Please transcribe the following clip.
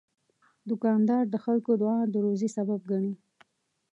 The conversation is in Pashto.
دوکاندار د خلکو دعا د روزي سبب ګڼي.